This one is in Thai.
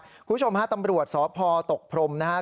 คุณผู้ชมฮะตำรวจสพตกพรมนะครับ